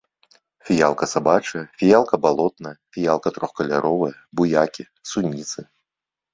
Фіялка сабачая, фіялка балотная, фіялка трохкаляровая, буякі, суніцы.